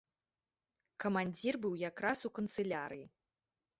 Камандзір быў якраз у канцылярыі.